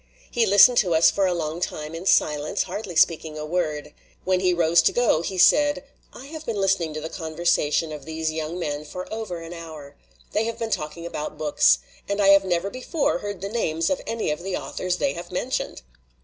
He listened to us for a long time in silence, hardly speaking a word. When he rose to go, he said :' I have been listening to the conversation of these young men for over an hour. They have been talking about books. And I have never before heard the names of any of the authors they have mentioned."